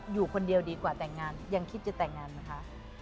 อยู่คนเดียวดีกว่าแต่งงานยังคิดจะแต่งงานไหมคะ